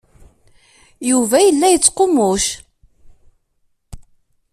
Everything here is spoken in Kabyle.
Yuba yella yettqummuc.